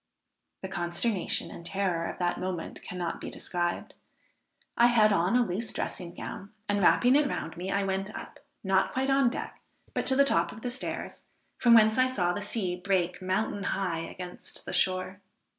The consternation and terror of that moment cannot be described; I had on a loose dressing gown, and wrapping it round me I went up, not quite on deck, but to the top of the stairs, from whence I saw the sea break mountain high against the shore.